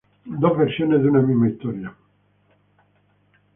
Dos versiones de una misma historia.